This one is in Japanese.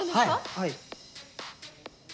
はい。